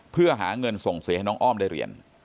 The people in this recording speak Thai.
เพื่อหาเงินส่งเสียให้น้องอ้อมได้เรียน